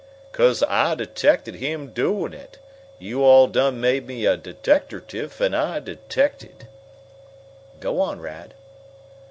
"'Cause I detected him doin' it. Yo' all done made me a deteckertiff, an' I detected." "Go on, Rad."